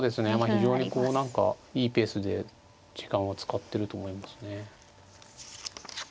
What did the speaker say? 非常にこう何かいいペースで時間を使ってると思いますね。